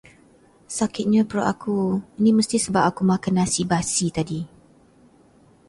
Sakitnya perut aku, ini mesti sebab aku makan nasi basi tadi.